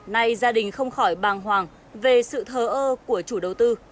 nay gia đình không khỏi bàng hoàng về sự thờ ơ của chủ đầu tư